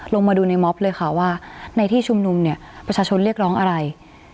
ลงมาดูในม็อบเลยค่ะว่าในที่ชุมนุมเนี่ยประชาชนเรียกร้องอะไร